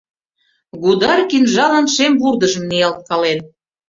Гудар кинжалын шем вурдыжым ниялткален.